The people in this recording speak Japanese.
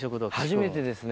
初めてですね。